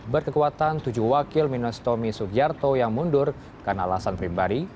berkekuatan tujuh wakil minas tomi sugyarto yang mundur karena alasan pribadi